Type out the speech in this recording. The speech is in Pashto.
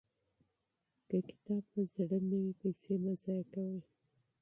که کتاب په زړه نه وي، پیسې مه ضایع کوئ.